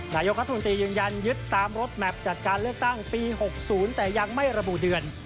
นายกรัฐมนตรียืนยันยึดตามรถแมพจัดการเลือกตั้งปี๖๐แต่ยังไม่ระบุเดือน